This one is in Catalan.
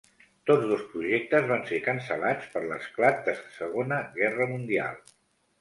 Tots dos projectes van ser cancel·lats per l'esclat de Segona Guerra Mundial.